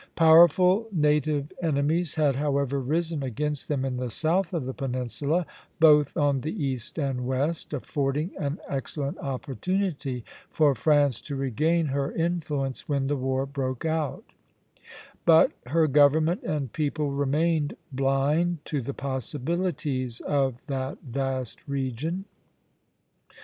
Powerful native enemies had, however, risen against them in the south of the peninsula, both on the east and west, affording an excellent opportunity for France to regain her influence when the war broke out; but her government and people remained blind to the possibilities of that vast region.